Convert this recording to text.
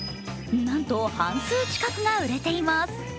なんと半数近くが売れています。